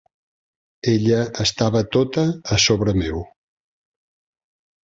Ella estava tota a sobre meu.